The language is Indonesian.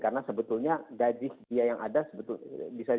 karena sebetulnya gaji dia yang ada bisa disalurkan